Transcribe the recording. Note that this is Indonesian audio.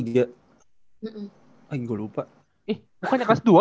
lagi gua lupa eh lu kan kelas dua ya